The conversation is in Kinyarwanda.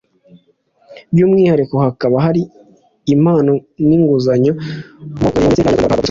By’umwihariko hakaba hari impano n’inguzanyo rwawuboneyemo ndetse n’Abanyarwanda bagahabwa buruse zo kwigayo